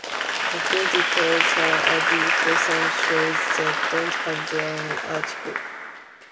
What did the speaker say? A few details are added for some shows that don't have their own article.